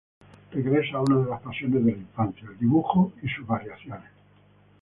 Regresa a una de sus pasiones de la infancia: el dibujo y sus variaciones.